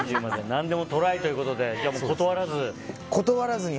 何でもトライということでじゃあ断らずに。